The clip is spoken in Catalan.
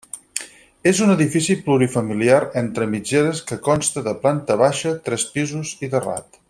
És un edifici plurifamiliar entre mitgeres que consta de planta baixa, tres pisos i terrat.